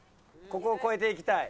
ここを越えていきたい。